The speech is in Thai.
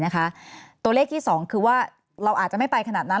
ตัวเลขที่๒คือว่าเราอาจจะไม่ไปขนาดนั้น